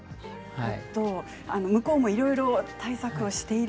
向こうもいろいろ対策をしていると。